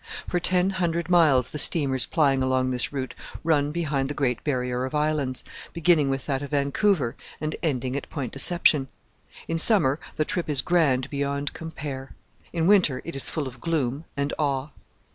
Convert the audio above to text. For ten hundred miles the steamers plying along this route run behind the great barrier of islands, beginning with that of Vancouver and ending at Point Deception. In summer the trip is grand beyond compare; in winter it is full of gloom and awe.